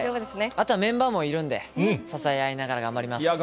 あとはメンバーもいるんで、支え合いながら頑張ります。